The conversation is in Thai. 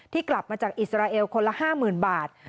กลับมาจากอิสราเอลคนละ๕๐๐๐บาท